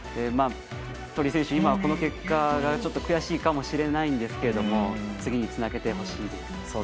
鳥居選手、今はこの結果が悔しいかもしれないんですけど次につなげてほしいです。